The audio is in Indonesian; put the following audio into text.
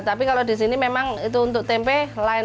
tapi kalau di sini memang itu untuk tempe lain